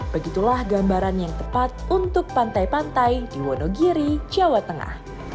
begitulah gambaran yang tepat untuk pantai pantai di wonogiri jawa tengah